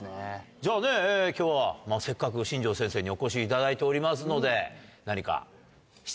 じゃあね今日はせっかく新庄先生にお越しいただいておりますので何か。